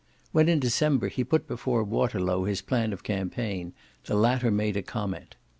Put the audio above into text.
When in December he put before Waterlow his plan of campaign the latter made a comment.